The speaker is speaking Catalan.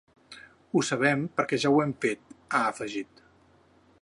“Ho sabem perquè ja ho hem fet”, ha afegit.